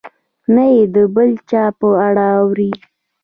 نه یې د بل چا په اړه اوري.